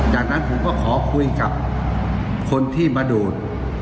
จากนั้นผมก็ขอคุยกับคนที่มาดูด